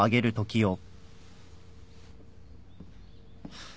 ハァ。